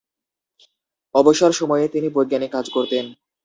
অবসর সময়ে তিনি বৈজ্ঞানিক কাজ করতেন।